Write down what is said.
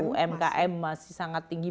umkm masih sangat tinggi